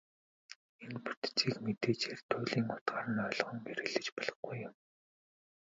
Энэ бүтцийг мэдээжээр туйлын утгаар нь ойлгон хэрэглэж болохгүй юм.